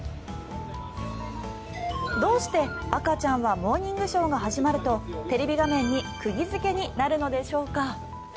どうして赤ちゃんは「モーニングショー」が始まるとテレビ画面に釘付けになるのでしょうか。